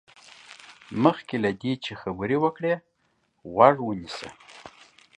مخکې له دې چې خبرې وکړې، غوږ ونيسه.